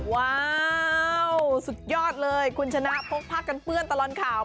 ว้าวสุดยอดเลยคุณชนะพกผ้ากันเปื้อนตลอดข่าว